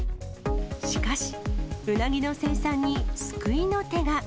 しかし、ウナギの生産に救いの手が。